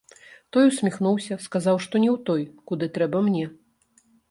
Той усміхнуўся, сказаў, што не ў той, куды трэба мне.